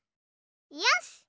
よし！